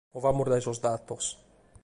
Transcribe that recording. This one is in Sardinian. Movamus dae sos datos.